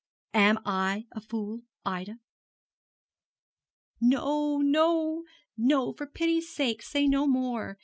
Am I a fool, Ida?' 'No, no, no. For pity's sake, say no more.